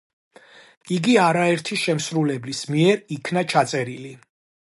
იგი არაერთი შემსრულებლის მიერ იქნა ჩაწერილი.